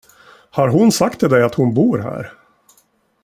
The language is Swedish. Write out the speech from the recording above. Har hon sagt till dig att hon bor här?